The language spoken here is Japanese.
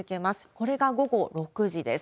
これが午後６時です。